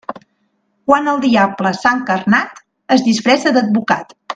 Quan el diable s'ha encarnat, es disfressa d'advocat.